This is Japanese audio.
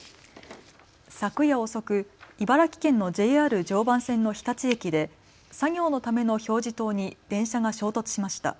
昨夜遅く茨城県のＪＲ常磐線の日立駅で作業のための表示灯に電車が衝突しました。